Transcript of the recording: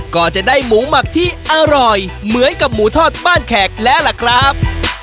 ก็จะได้หมูหมักที่อร่อยเหมือนกับหมูทอดบ้านแขกแล้วล่ะครับ